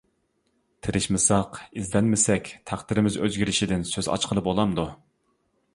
تىرىشمىساق ئىزدەنمىسەك تەقدىرىمىز ئۆزگىرىشىدىن سۆز ئاچقىلى بولامدۇ؟ .